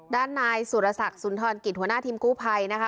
ด้านนายสุรศักดิ์สุนทรกิจหัวหน้าทีมกู้ภัยนะคะ